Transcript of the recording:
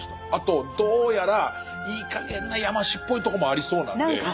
あとどうやらいいかげんな山師っぽいとこもありそうなんで。